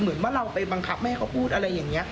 เหมือนว่าเราไปบังคับแม่เขาพูดอะไรอย่างนี้